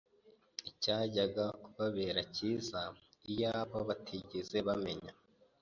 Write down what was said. Icyajyaga kubabera cyiza, iyaba batigeze bamenya